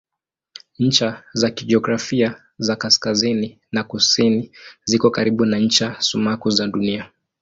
Ncha za kijiografia za kaskazini na kusini ziko karibu na ncha sumaku za Dunia.